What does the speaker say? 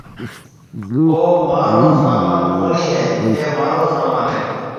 او مهارو سامان ڪونَي هيَ اَي مهارو سامان هيَ۔